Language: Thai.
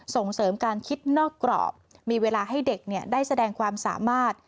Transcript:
ส่งเสริมการคิดนอกกรอบมีเวลาให้เด็กได้แสดงความสามารถ